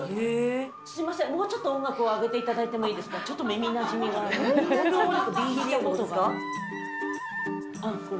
すみません、もうちょっと音楽を上げていただいてもいいですか、ちょっと耳なじみがある。